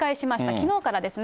きのうからですね。